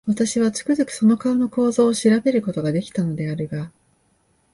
私は、つくづくその顔の構造を調べる事が出来たのであるが、